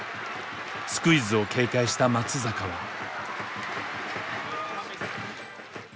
スクイズを警戒した松坂は。